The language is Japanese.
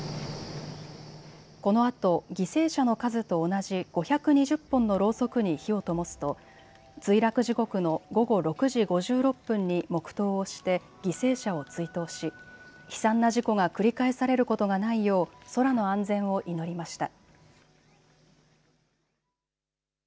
このあと犠牲者の数と同じ５２０本のろうそくに火をともすと墜落時刻の午後６時５６分に黙とうをして犠牲者を追悼し、悲惨な事故が繰り返されることがないよう空の安全を祈りました。